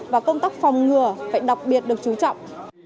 và công tác phòng ngừa phải đặc biệt được chú trọng